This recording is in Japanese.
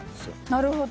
なるほど。